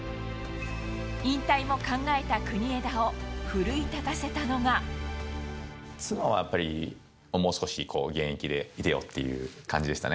引退も考えた国枝を奮い立た妻はやっぱり、もう少し現役でいてよっていう感じでしたね。